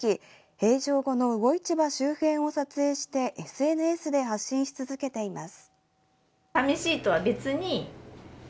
閉場後の魚市場周辺を撮影してＳＮＳで発信し続けています。